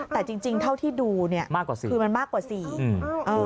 แต่จริงเท่าที่ดูคือมันมากกว่า๔